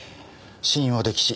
死因は溺死。